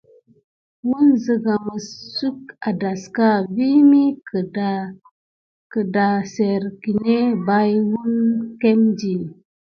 Kine siga mis suke aɗaska vin mis darkiwune kankure kisérè kiné bay wukemti.